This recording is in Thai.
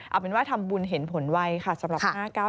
เอาเป็นว่าทำบุญเห็นผลไวค่ะสำหรับ๕๙